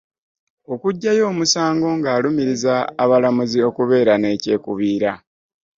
Okuggyayo omusango ng'alumiriza abalamuzi okubeera ne kyekubiira.